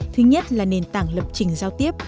thứ nhất là nền tảng lập chỉnh giao tiếp